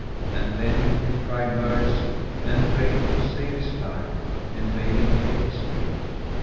And then he cried mercy, and prayed him to save his life, and bade him take his lady.